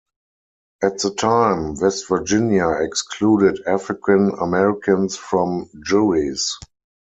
At the time, West Virginia excluded African-Americans from juries.